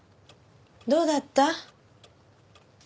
どうだった？